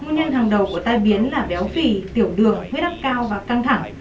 nguyên nhân hàng đầu của tai biến là béo phì tiểu đường huyết áp cao và căng thẳng